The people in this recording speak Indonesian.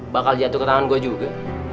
bakal jatuh ke tangan gue juga